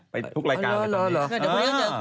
ไปทุกรายการครองติดต้มลิง